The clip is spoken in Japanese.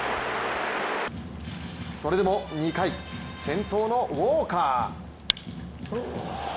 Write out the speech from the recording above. それでも２回先頭のウォーカー。